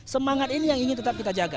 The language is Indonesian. semangat ini yang ingin tetap kita jaga